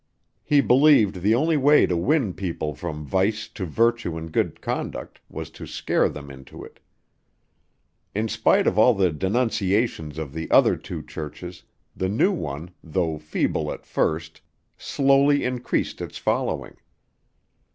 He believed the only way to win people from vice to virtue and good conduct was to scare them into it. In spite of all the denunciations of the other two churches, the new one, though feeble at first, slowly increased its following.